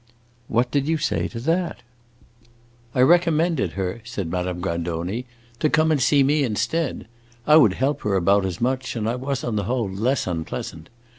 "What did you say to that?" "I recommended her," said Madame Grandoni, "to come and see me instead. I would help her about as much, and I was, on the whole, less unpleasant.